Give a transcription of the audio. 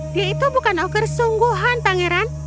dia itu bukan oker sungguhan pangeran